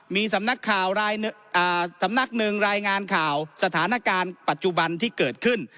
มีสำนักข่าวสำนักหนึ่งรายงานข่าวสถานการณ์ปัจจุบันที่เกิดขึ้น